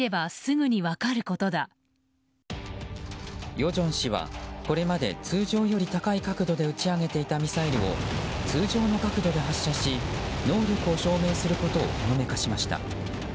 与正氏は、これまで通常より高い角度で撃ち上げていたミサイルを通常の角度で発射し能力を証明することをほのめかしました。